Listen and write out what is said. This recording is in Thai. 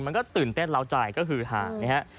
มันก็ตื่นเต้นเหลาใจก็คือทาง